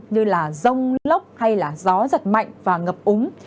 như là rông lốc hay là gió giật mạnh và ngập úng